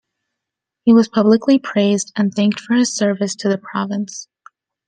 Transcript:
He was publicly praised, and thanked for his service to the province.